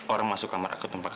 orang masuk kamar aku tempat ini